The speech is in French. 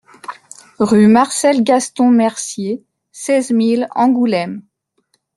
Rue Marcel Gaston Mercier, seize mille Angoulême